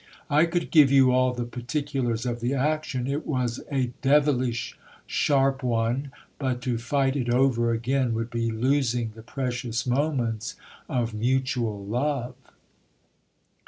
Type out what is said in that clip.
I could give you all the particulars of the action ; it was a devilish sharp one but to fight it over again would be losing the precious moments of mutual love.